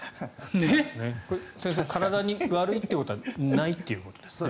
先生体に悪いということはないということですね。